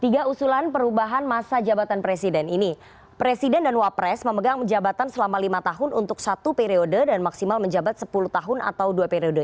tiga usulan perubahan masa jabatan presiden ini presiden dan wapres memegang jabatan selama lima tahun untuk satu periode dan maksimal menjabat sepuluh tahun atau dua periode